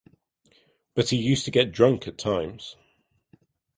But he used to get drunk at times.